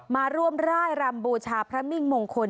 มาร่วมร่ายรำบูชาพระมิ่งมงคล